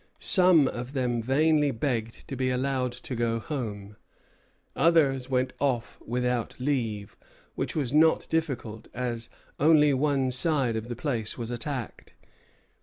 Some of them vainly begged to be allowed to go home; others went off without leave, which was not difficult, as only one side of the place was attacked.